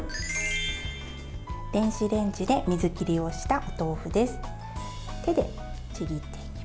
電子レンジで水切りをしたお豆腐です。